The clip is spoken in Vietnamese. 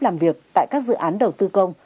làm việc tại các dự án đầu tư công